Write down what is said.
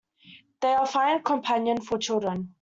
They are fine companion for children.